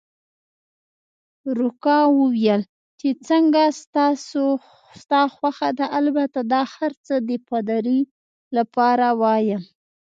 روکا وویل: چې څنګه ستا خوښه ده، البته دا هرڅه د پادري لپاره وایم.